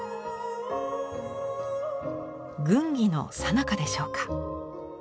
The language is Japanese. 軍議のさなかでしょうか。